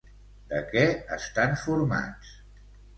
De què estan formats?